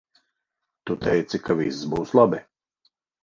Tu teici ka viss būs labi.